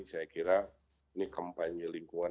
saya kira ini kampanye lingkungan